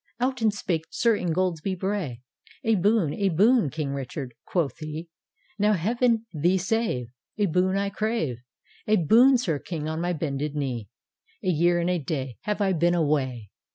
" Out and spake Sir Ingoldsby Bray, "A boon, a boon. King Richard," quoth he, " Now Heav'n thee save, A boon I crave) A boon, Sir King, on my bended knee; A year and a day Have I been away.